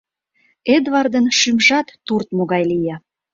Эдвардын шӱмжат туртмо гай лие.